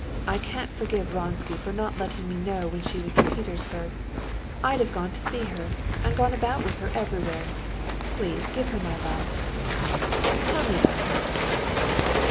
I can't forgive Vronsky for not letting me know when she was in Petersburg. I'd have gone to see her and gone about with her everywhere. Please give her my love. Come, tell me about her."